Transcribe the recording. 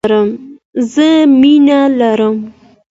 زه مینه لرم.